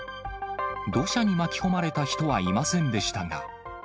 土砂に巻き込まれた人はいませんでしたが。